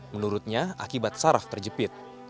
menurutnya akibat saraf terjepit